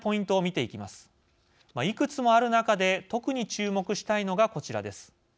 いくつもある中で特に注目したいのがこちらです。